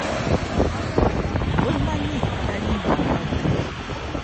Gwe mmanyi talimba nga ggwe.